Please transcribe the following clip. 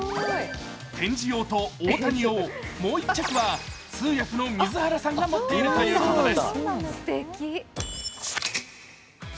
展示用と大谷用、もう１着は通訳の水原さんが持っているということです。